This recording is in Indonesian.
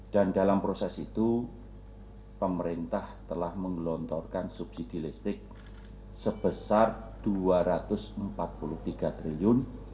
dan dalam proses itu pemerintah telah mengelontorkan subsidi listrik sebesar rp dua ratus empat puluh tiga triliun